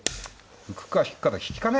浮くか引くかで引きかね。